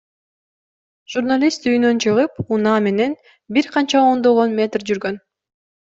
Журналист үйүнөн чыгып, унаа менен бир канча ондогон метр жүргөн.